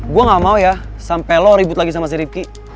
gua gak mau ya sampe lo ribut lagi sama si rifki